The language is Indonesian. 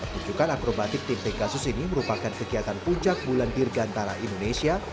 tujukan akrobatik tim pegasus ini merupakan kegiatan puncak bulan dirgantara indonesia